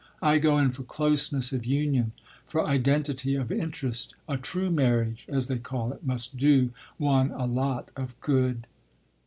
I go in for closeness of union, for identity of interest. A true marriage, as they call it, must do one a lot of good!"